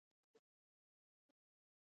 الوتمه، الوتمه